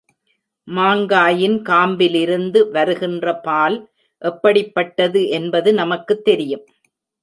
மாங்காயின் காம்பிலிருந்து வருகின்ற பால் எப்படிப்பட்டது என்பது நமக்குத் தெரியும்.